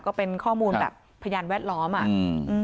ก็เป็นข้อมูลแบบพยานแวดล้อมอ่ะอืม